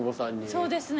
そうですね。